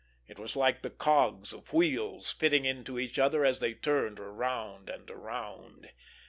It was like the cogs of wheels fitting into each other as they turned around and around.